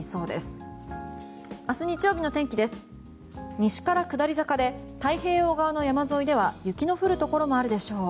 西から下り坂で太平洋側の山沿いでは雪の降るところもあるでしょう。